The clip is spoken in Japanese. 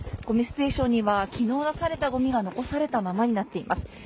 ごみステーションにはきのう出されたごみが残されたままになっています。